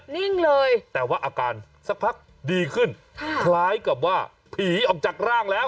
นิ่งเลยแต่ว่าอาการสักพักดีขึ้นคล้ายกับว่าผีออกจากร่างแล้ว